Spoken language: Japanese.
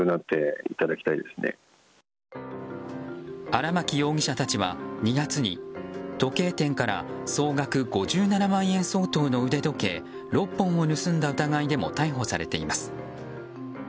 荒巻容疑者たちは２月に時計店から総額５７万円相当の腕時計６本を盗んだ疑いでも逮捕されています。